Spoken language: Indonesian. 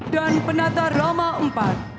dan penata roma iv